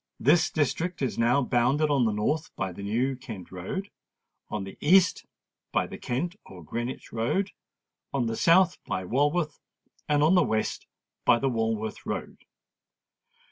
This district is now bounded on the north by the New Kent Road, on the east by the Kent or Greenwich Road, on the south by Walworth, and on the west by the Walworth Road.